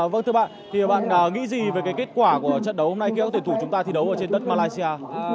vâng thưa bạn thì bạn nghĩ gì về cái kết quả của trận đấu hôm nay khi các tuyển thủ chúng ta thi đấu ở trên đất malaysia